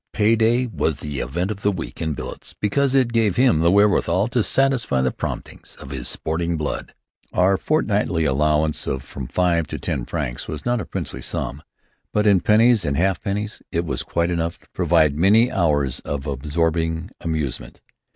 Pay day was the event of the week in billets because it gave him the wherewithal to satisfy the promptings of his sporting blood. Our fortnightly allowance of from five to ten francs was not a princely sum; but in pennies and halfpennies, it was quite enough to provide many hours of absorbing amusement.